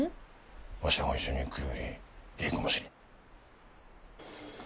わしらが一緒に行くよりええかもしれん。